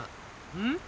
うん？